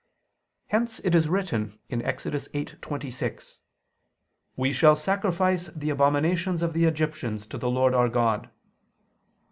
Hence it is written (Ex. 8:26): "We shall sacrifice the abominations of the Egyptians to the Lord our God."